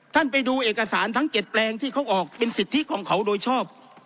ไปดูเอกสารทั้ง๗แปลงที่เขาออกเป็นสิทธิของเขาโดยชอบ